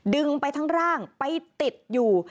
ดึงไปทั้งร่างไปติดอยู่